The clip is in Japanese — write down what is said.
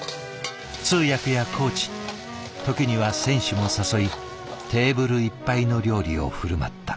通訳やコーチ時には選手も誘いテーブルいっぱいの料理を振る舞った。